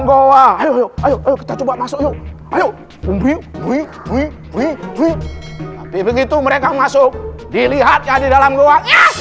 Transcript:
goa ayo ayo ayo kita coba masuk yuk ayo umbi wui wui wui begitu mereka masuk dilihatnya di dalam goa